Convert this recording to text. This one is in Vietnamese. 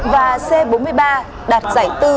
và c bốn mươi ba đạt giải bốn